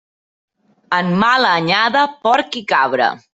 En mala anyada, porc i cabra.